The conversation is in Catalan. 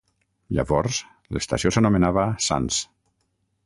Llavors l'estació s'anomenava Sans.